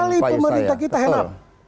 pemerintah kecuali pemerintah kita hand up